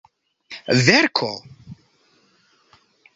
verko